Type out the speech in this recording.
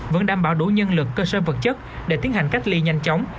vẫn đảm bảo đủ nhân lực cơ sở vật chất để tiến hành cách ly nhanh chóng